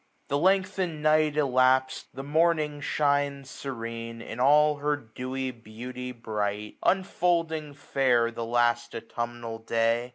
The lengthened night elaps'd, the morning shines Serene, in all her dewy beauty bright ; Unfolding fair the last autumnal day.